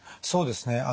そうですね。